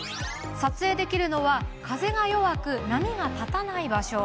撮影できるのは風が弱く、波が立たない場所。